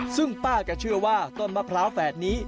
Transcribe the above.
ซึ่งป้าก็เชื่อว่าต้นมะพร้าวแฝดนี้